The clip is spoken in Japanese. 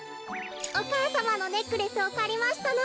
お母さまのネックレスをかりましたの。